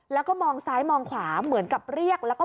แล้วก็มองซ้ายมองขวาเหมือนกับเรียกแล้วก็